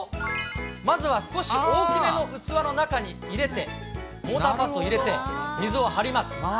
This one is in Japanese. まずは少し大きめの器の中に入れて、モーターパーツを入れて水を張ります。